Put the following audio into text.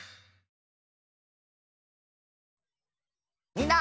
みんな！